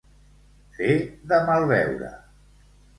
Fer de mal veure.